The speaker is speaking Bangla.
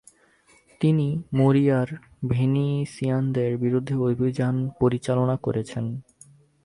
তিনি মোরিয়ার ভেনিসিয়ানদের বিরুদ্ধে অভিযান পরিচালনা করেছেন।